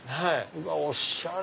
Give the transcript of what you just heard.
うわおしゃれ！